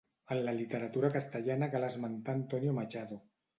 En la literatura castellana cal esmentar Antonio Machado.